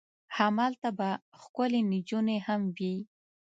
همالته به ښکلې نجونې هم وي.